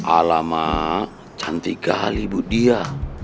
alamak cantik kali bu dia